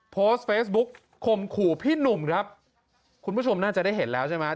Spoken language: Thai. โพสต์เฟซบุ๊กคมขู่พี่หนุ่มครับคุณผู้ชมน่าจะได้เห็นแล้วใช่ไหม